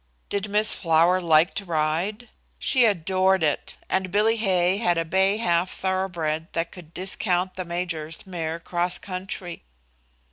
Did Miss Flower like to ride? She adored it, and Bill Hay had a bay half thoroughbred that could discount the major's mare 'cross country.